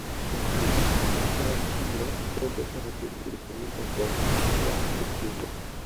Kwa hiyo biashara hii ya pembe tatu ilifanyika kwa kiasi kikubwa